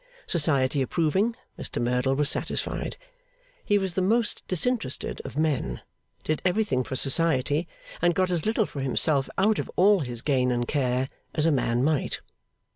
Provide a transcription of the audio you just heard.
Society approving, Mr Merdle was satisfied. He was the most disinterested of men, did everything for Society, and got as little for himself out of all his gain and care, as a man might.